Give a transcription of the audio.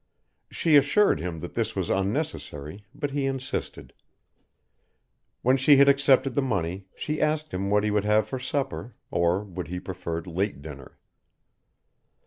She assured him that this was unnecessary, but he insisted. When she had accepted the money she asked him what he would have for supper, or would he prefer late dinner.